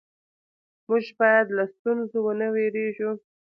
موږ باید له ستونزو ونه وېرېږو